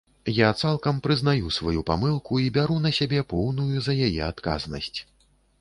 Я цалкам прызнаю сваю памылку і бяру на сябе поўную за яе адказнасць.